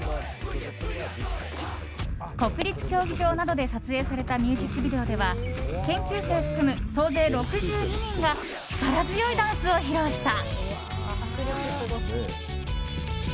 国立競技場などで撮影されたミュージックビデオでは研究生を含む総勢６２人が力強いダンスを披露した。